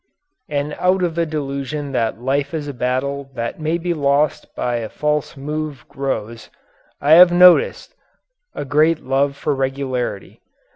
And out of the delusion that life is a battle that may be lost by a false move grows, I have noticed, a great love for regularity.